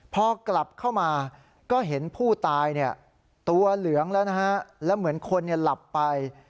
พอกลับเข้ามาก็เห็นผู้ตายตัวเหลืองแล้วนะฮะแล้วเหมือนคนหลับไป